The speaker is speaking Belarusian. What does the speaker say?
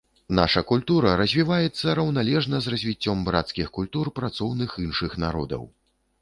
Наша культура развіваецца раўналежна з развіццём брацкіх культур працоўных іншых народаў.